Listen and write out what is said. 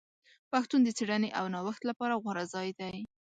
پوهنتون د څېړنې او نوښت لپاره غوره ځای دی.